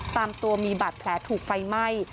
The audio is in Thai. ตามตัวมีบาดแผลถูกไฟไหม้